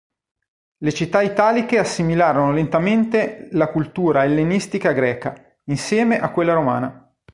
Le città italiche assimilarono lentamente la cultura ellenistica greca, insieme a quella romana.